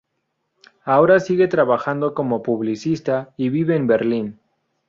Ahora sigue trabajando como publicista y vive en Berlín.